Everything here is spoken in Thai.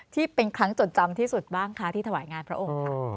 ที่เป็นครั้งจดจำที่สุดบ้างคะที่ถวายงานพระองค์ค่ะ